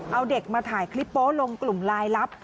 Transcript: เอาเด็กมาถ่ายคลิปโป๊ลงกลุ่มลายลับ